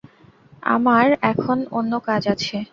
আমার এখন অন্য কাজ আছে।